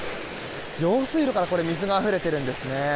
用水路から水があふれているんですね。